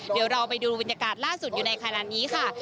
เดี๋ยวเราไปดูบรรยากาศล่าสุดอยู่ในขณะนี้ค่ะ